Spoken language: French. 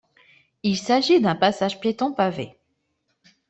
Il s'agit d'un passage piéton, pavé.